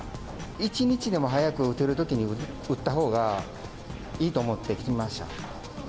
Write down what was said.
１日でも早く打てるときに打ったほうがいいと思って来ました。